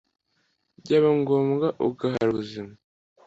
byaba ngombwa ugahara ubuzima